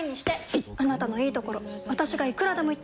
いっあなたのいいところ私がいくらでも言ってあげる！